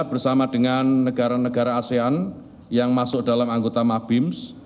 bersama dengan negara negara asean yang masuk dalam anggota mabims